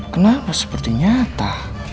kenapa seperti nyata